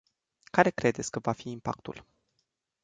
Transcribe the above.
Care credeți că va fi impactul?